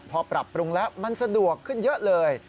พอปรับปรุงแล้วมันสะดวกขึ้นเยอะเลย